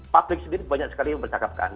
publik sendiri banyak sekali yang bercakap kan